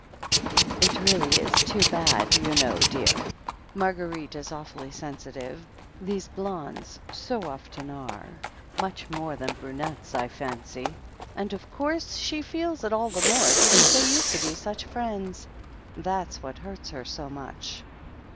"It really is too bad, you know, dear. Marguerite is awfully sensitive — ^those blondes so often are, much more so than brunettes, I fancy — ^and of course she feels it all the more because they used to be such friends. That's what hurts her so much."